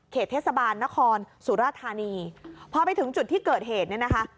เทศบาลนครสุราธานีพอไปถึงจุดที่เกิดเหตุเนี่ยนะคะ